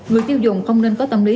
người tiêu dùng không nên có tâm lý